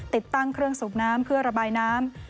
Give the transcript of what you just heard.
ติดตั้งเครื่องสูบน้ำเพื่อระบายน้ำ